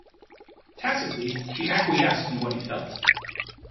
Tacitly, she acquiesced in what he felt.